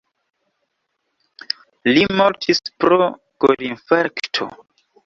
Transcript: Li mortis pro korinfarkto.